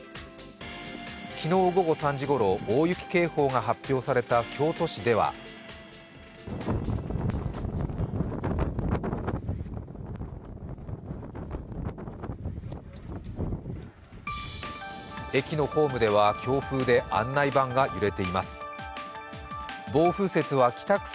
昨日午後３時ごろ、大雪警報が発表された京都市では駅のホームでは、強風で案内板が揺れています。